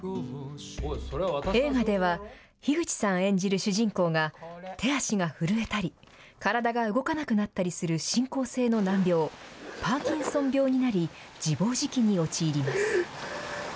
映画では樋口さん演じる主人公が手足が震えたり体が動かなくなったりする進行性の難病パーキンソン病になり自暴自棄に陥ります。